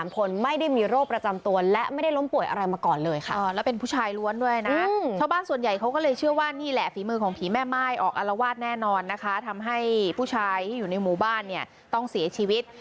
แม่ม่ายออกอารวาสแน่นอนนะคะทำให้ผู้ชายที่อยู่ในหมู่บ้านเนี่ยต้องเสียชีวิต